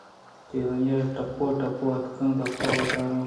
کہ آئی ءَ ٹپُّو ٹپُّو اتک ءُ آ گپت ءُ وارت